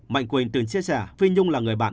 mạnh quyền từng chia sẻ phi nhung là người bạn